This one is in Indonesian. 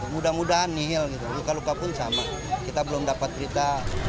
mudah mudahan nihil gitu luka luka pun sama kita belum dapat berita